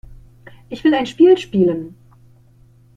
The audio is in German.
Ich will ein Spiel spielen.